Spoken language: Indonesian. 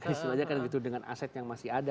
sebenarnya kan begitu dengan aset yang masih ada